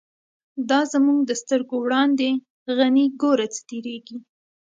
دا زمونږ د سترگو وړاندی «غنی» گوره څه تیریږی